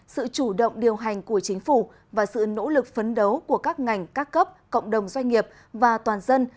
sự chủ động điều hành của chính phủ và sự nỗ lực phấn đấu của các ngành các cấp cộng đồng doanh nghiệp và toàn dân